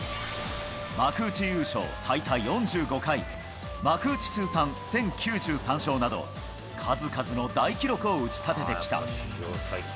幕内優勝最多４５回、幕内通算１０９３勝など、数々の大記録を打ち立ててきた。